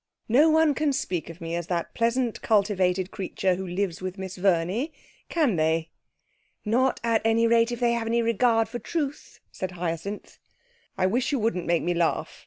'No one can speak of me as "that pleasant, cultivated creature who lives with Miss Verney," can they?' 'Not, at any rate, if they have any regard for truth,' said Hyacinth. 'I wish you wouldn't make me laugh.